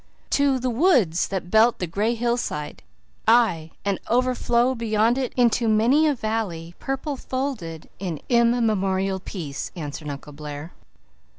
"To 'the woods that belt the gray hillside' ay, and overflow beyond it into many a valley purple folded in immemorial peace," answered Uncle Blair.